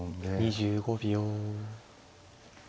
２５秒。